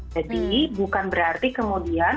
jadi bukan berarti kemudian